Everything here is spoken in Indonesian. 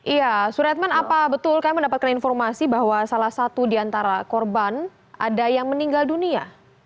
iya suretman apa betul kami mendapatkan informasi bahwa salah satu di antara korban ada yang meninggal dunia